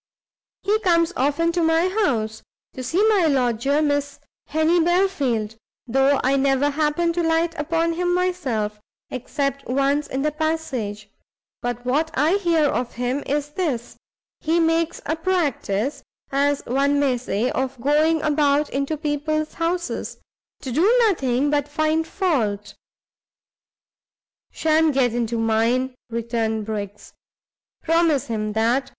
He comes often to my house, to see my lodger Miss Henny Belfield, though I never happen to light upon him myself, except once in the passage: but what I hear of him is this; he makes a practice, as one may say, of going about into people's houses, to do nothing but find fault." "Shan't get into mine!" returned Briggs, "promise him that!